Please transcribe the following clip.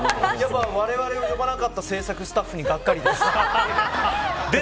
われわれを呼ばなかった制作スタッフに、がっかりです。